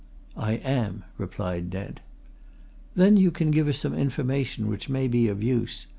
"I am," replied Brent. "Then you can give us some information which may be of use.